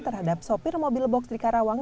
terhadap sopir mobil box di karawang